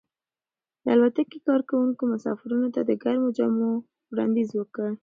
د الوتکې کارکونکو مسافرانو ته د ګرمو چایو وړاندیز وکړ.